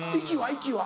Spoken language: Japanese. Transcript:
息は？